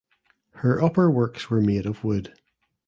Her upper works were made of wood.